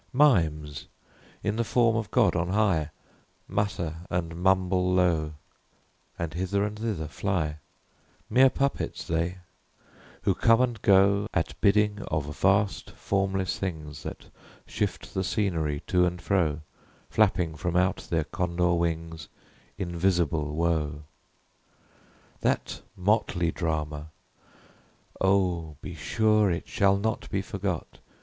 Mimes, in the form of God on high, Mutter and mumble low, And hither and thither fly; Mere puppets they, who come and go At bidding of vast formless things That shift the scenery to and fro, Flapping from out their condor wings Invisible Wo! That motley drama! oh, be sure It shall not be forgot!